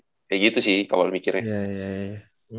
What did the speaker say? kayak gitu sih awal mikirnya